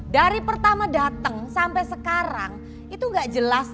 dari pertama dateng sampe sekarang itu gak jelas